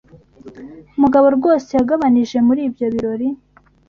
Mugabo rwose yagabanije muri ibyo birori.